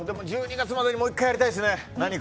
１２月までにもう１回やりたいですね。